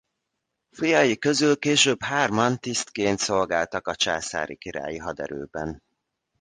Fiai közül később hárman tisztként szolgáltak a császári-királyi haderőben.